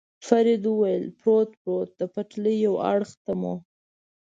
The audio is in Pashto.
فرید وویل: پروت، پروت، د پټلۍ یو اړخ ته مو.